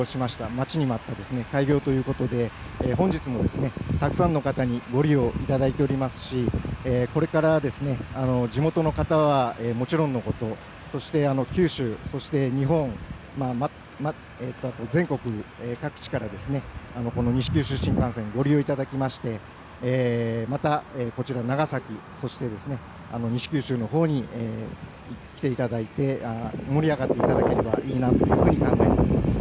待ちに待った開業ということで、本日もたくさんの方にご利用いただいておりますし、これから地元の方はもちろんのこと、そして九州、そして日本、全国各地からこの西九州新幹線、ご利用いただきまして、またこちら、長崎、そして西九州のほうに来ていただいて、盛り上がっていただければいいなというふうに考えております。